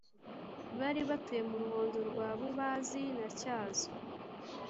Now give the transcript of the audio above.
Bari batuye mu Ruhondo rwa Bubazi na Tyazo.